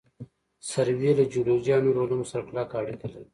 سروې له جیولوجي او نورو علومو سره کلکه اړیکه لري